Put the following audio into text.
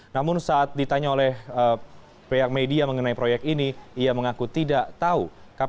namun saat ditanya oleh pihak media mengenai proyek ini ia mengaku tidak tahu